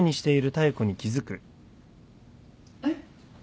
えっ？